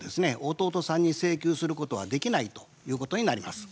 弟さんに請求することはできないということになります。